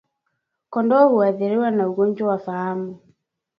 Kondoo huathiriwa na ugonjwa wa fahamu